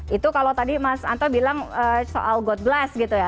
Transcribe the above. itu kalau tadi mas anto bilang soal god bless gitu ya